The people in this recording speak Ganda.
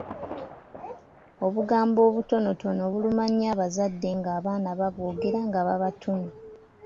Obugambo obutonotono buluma nnyo abazadde ng’abaana babwogera nga babatumye.